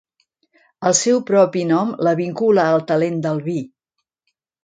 El seu propi nom la vincula al talent del vi.